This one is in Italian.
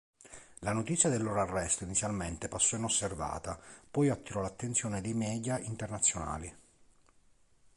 La notizia del loro arresto inizialmente passò inosservata, poi attirò l'attenzione dei media internazionali.